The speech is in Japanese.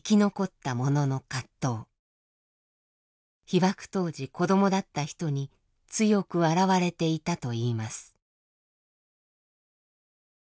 被爆当時子どもだった人に強く現れていたといいます。